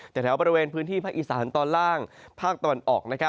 แถวบริเวณพื้นที่ภาคอีสานตอนล่างภาคตะวันออก